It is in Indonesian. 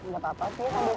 gak apa apa sih habis tidur